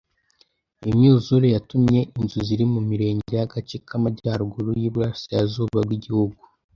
Imyuzure yatumye inzu ziri mu mirenge y'agace k'amajyaruguru y'ubasirazuba bw'igihugu